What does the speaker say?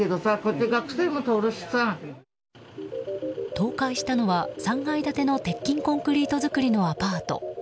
倒壊したのは３階建ての鉄筋コンクリート造りのアパート。